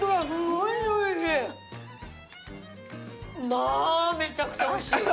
まあめちゃくちゃおいしい！